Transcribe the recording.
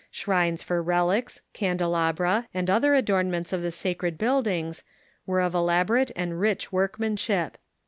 Shrines for relics, candelabra, and other adornments of the sacred build ings, were of elaborate and rich workmanship.